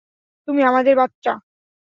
তুমি আমাদের বাচ্চা।